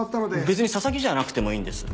別に佐々木じゃなくてもいいんです。